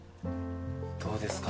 ・どうですか？